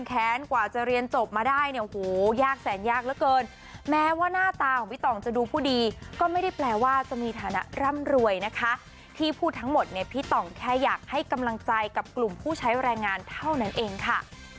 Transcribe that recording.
ที่พูดทั้งหมดพี่ต่อแค่อยากให้กำลังใจกับกลุ่มผู้ใช้แรงงานเท่านั้นเองค่ะ